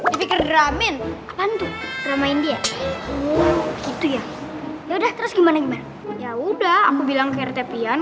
apaan tuh ramain dia gitu ya ya udah terus gimana gimana ya udah aku bilang ke rt pian